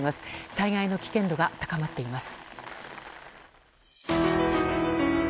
災害の危険度が高まっています。